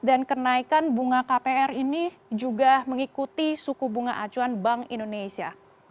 dan kenaikan bunga kpr ini juga mengikuti suku bunga acuan bank indonesia